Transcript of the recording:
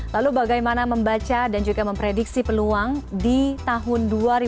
lalu bagaimana membaca dan juga memprediksi peluang di tahun dua ribu dua puluh